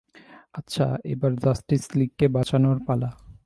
আচ্ছা, এবার জাস্টিস লীগকে বাঁচানোর পালা।